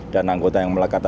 dan anggota yang melakukannya